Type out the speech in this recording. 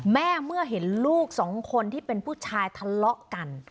เมื่อเห็นลูกสองคนที่เป็นผู้ชายทะเลาะกัน